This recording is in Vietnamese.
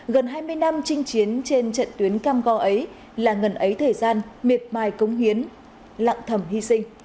gần hai mươi năm trinh chiến trên trận tuyến cam go ấy là ngần ấy thời gian miệt mài cống hiến lặng thầm hy sinh